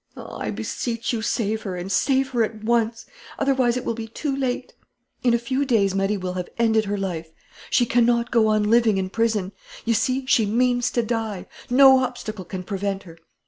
Ah, I beseech you, save her and save her at once. Otherwise it will be too late. "In a few days Marie will have ended her life. She cannot go on living in prison. You see, she means to die. No obstacle can prevent her.